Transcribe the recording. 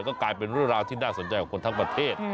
ก็กลายเป็นเรื่องราวที่น่าสนใจของคนทั้งประเทศ